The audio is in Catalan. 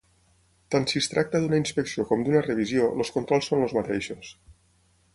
Tant si es tracta d'una inspecció com d'una revisió, els controls són els mateixos.